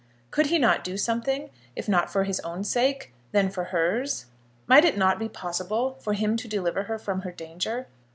Could he not do something, if not for his own sake, then for hers? Might it not be possible for him to deliver her from her danger?